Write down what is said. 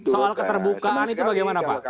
soal keterbukaan itu bagaimana pak